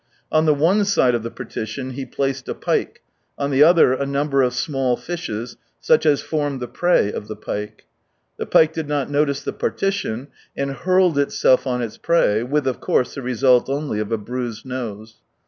On the one side of the partition he placed a pike, on the other a number of small fishes such as form the prey of the pike. The pike did not notice the partition, and hurled itself on its prey, with, of course, the result only of a bruised nose.